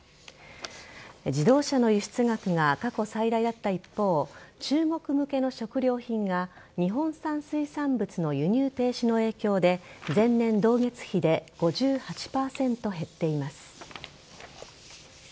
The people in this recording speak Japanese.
自動車の輸出額が過去最大だった一方中国向けの食料品が日本産水産物の輸入停止の影響で前年同月比で５８％減っています。